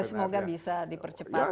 semoga bisa dipercepat